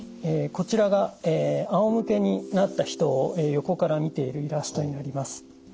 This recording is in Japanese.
こちらがあおむけになった人を横から見ているイラストになります。